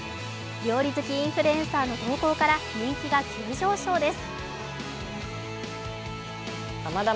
料理好きインフルエンサーの投稿から人気が急上昇です。